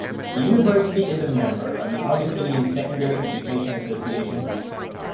The university is a member of the Augustinian Secondary Education Association.